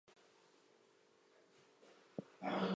The Gators gymnastics team is now coached by Jenny Rowland.